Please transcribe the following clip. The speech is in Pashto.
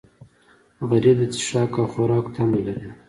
غریب د څښاک او خوراک تمه لري